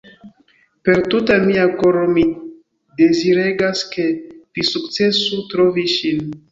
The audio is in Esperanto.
Per tuta mia koro mi deziregas, ke vi sukcesu trovi ŝin.